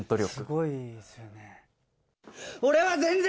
すごいですよね。